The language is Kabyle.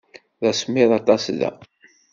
D asemmiḍ aṭas da.